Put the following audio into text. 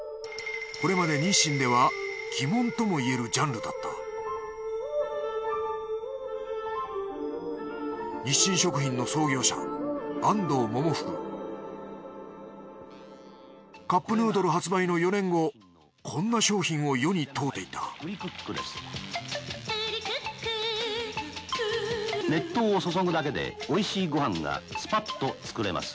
これまで日清では鬼門とも言えるジャンルだったカップヌードル発売の４年後こんな商品を世に問うていた熱湯を注ぐだけでおいしいご飯がスパッと作れます。